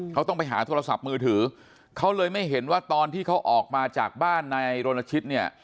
เขาต้องไปหาโทรศัพท์มือถือเขาเลยไม่เห็นว่าตอนที่เขาออกมาจากบ้านนายรณชิตเนี่ย